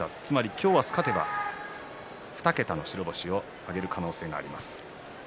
今日、明日勝てば２桁の白星を挙げる可能性があります。